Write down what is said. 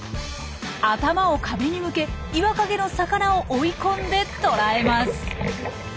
頭を壁に向け岩陰の魚を追い込んで捕らえます。